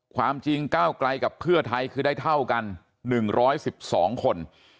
ความจริงก้าวไกลกับเพื่อไทยคือได้เท่ากัน๑๑๒คน